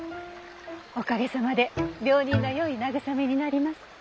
おかげさまで病人のよい慰めになります。